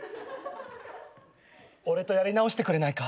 俺とやり直してくれないか？